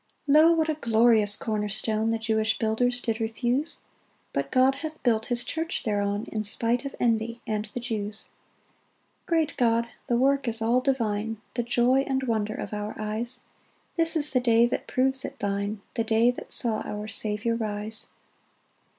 1 Lo! what a glorious corner stone The Jewish builders did refuse; But God hath built his church thereon, In spite of envy and the Jews. 2 Great God, the work is all divine, The joy and wonder of our eyes; This is the day that proves it thine, The day that saw our Saviour rise.